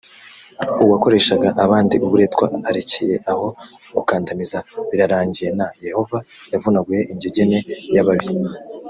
uwakoreshaga abandi uburetwa arekeye aho gukandamiza birarangiye n yehova yavunaguye ingegene y ababi